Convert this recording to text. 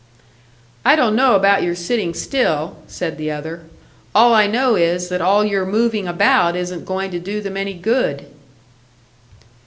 "I don't know about your sitting still," said the other. "All I know is that all your moving about isn't going to do them any good."